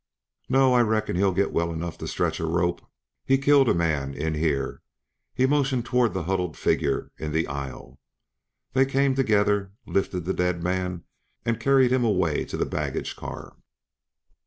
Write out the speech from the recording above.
"No. I reckon he'll get well enough to stretch a rope; he killed a man, in here." He motioned toward the huddled figure in the aisle. They came together, lifted the dead man and carried him away to the baggage car.